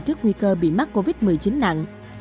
trước nguy cơ bị mắc covid một mươi chín nặng